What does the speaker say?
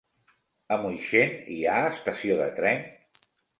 A Moixent hi ha estació de tren?